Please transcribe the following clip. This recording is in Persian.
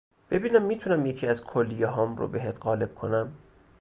ببینم می تونم یکی از کلیه هام رو بهت قالب کنم